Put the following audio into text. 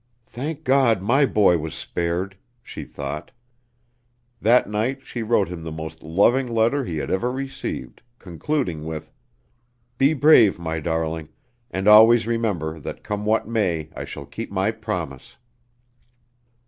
"Thank God my boy was spared," she thought. That night she wrote him the most loving letter he had ever received, concluding with: "Be brave, my darling, and always remember that come what may I shall keep my promise."